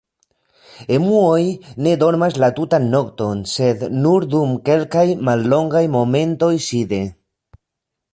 Emuoj ne dormas la tutan nokton sed nur dum kelkaj mallongaj momentoj side.